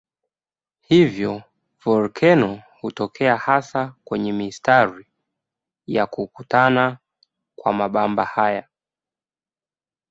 Hivyo volkeno hutokea hasa kwenye mistari ya kukutana kwa mabamba hayo.